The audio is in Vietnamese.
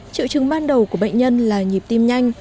triệu chứng ban đầu của bệnh nhân là nhịp tim nhanh